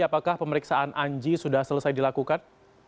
apakah pemeriksaan anji sudah selesai dilakukan